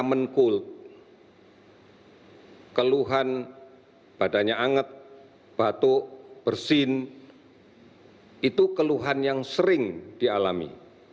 kemenkul keluhan badannya anget batuk bersin itu keluhan yang sering dialami